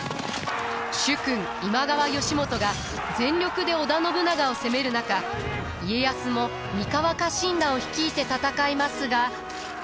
主君今川義元が全力で織田信長を攻める中家康も三河家臣団を率いて戦いますが。